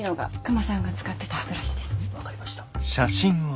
分かりました。